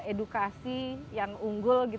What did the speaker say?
edukasi yang unggul